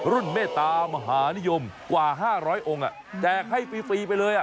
เมตามหานิยมกว่า๕๐๐องค์แจกให้ฟรีไปเลย